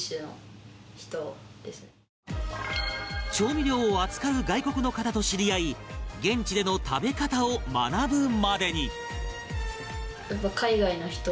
調味料を扱う外国の方と知り合い現地での食べ方を学ぶまでに